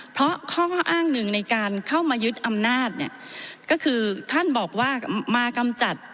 เพราะข้ออ้างหนึ่งในการเข้ามายึดอำนาจเนี่ยก็คือท่านบอกว่ามากำจัด